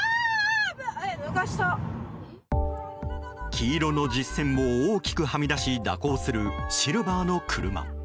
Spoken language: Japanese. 黄色の実線を大きくはみ出し蛇行するシルバーの車。